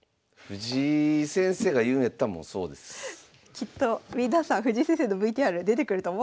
きっと皆さん藤井先生のＶＴＲ出てくると思わなかったでしょう。